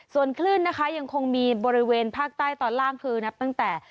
ส่วนคลื่นนะคะยังคงมีบริเวณภาคใต้ตอนล่างคือนับตั้งแต่